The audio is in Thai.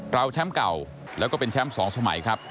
แชมป์เก่าแล้วก็เป็นแชมป์๒สมัยครับ